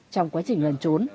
trong quá trình ngần trốn